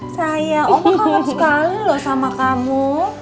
saya oma kangen sekali loh sama kamu